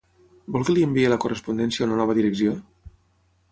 Vol que li enviï la correspondència a una nova direcció?